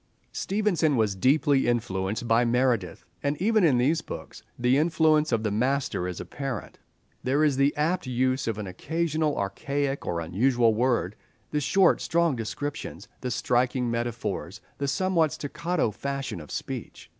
Stevenson was deeply influenced by Meredith, and even in these books the influence of the master is apparent. There is the apt use of an occasional archaic or unusual word, the short, strong descriptions, the striking metaphors, the somewhat staccato fashion of speech.